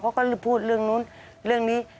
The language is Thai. เขาก็พูดเรื่องนู้นเรื่องนี้